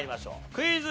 クイズ。